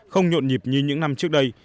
không nhộn nhịp như những năm trước đây